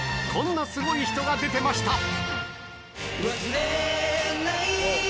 こんなすごい人が出てました！